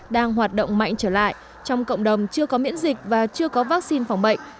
đang hoạt động mạnh trở lại trong cộng đồng chưa có miễn dịch và chưa có vaccine phòng bệnh